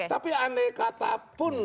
tapi aneh kata pun